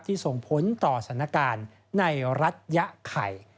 ส่งผลต่อสถานการณ์ในรัฐยะไข่